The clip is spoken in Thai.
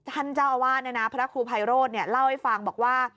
ท่านเจ้าอาวาสพระครูภัยโรธเล่าให้ฟังบอกว่า